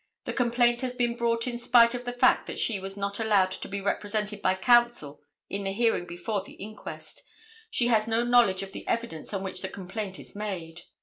The complaint has been brought in spite of the fact that she was not allowed to be represented by counsel in the hearing before the inquest. She has no knowledge of the evidence on which the complaint is made.